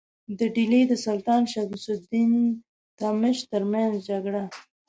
د ډهلي د سلطان شمس الدین التمش ترمنځ جګړه.